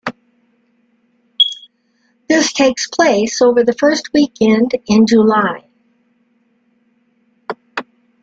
This takes place over the first weekend in July.